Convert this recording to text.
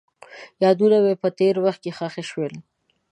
یادونه مې په تېر وخت کې ښخ شول.